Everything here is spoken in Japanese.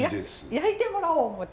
焼いてもらおう思うて。